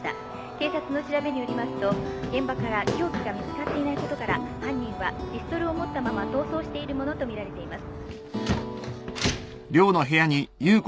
警察の調べによりますと現場から凶器が見つかっていないことから犯人はピストルを持ったまま逃走しているものと見られています」